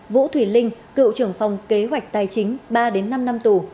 vũ thủy linh cựu trưởng phòng kế hoạch tài chính ba năm năm tù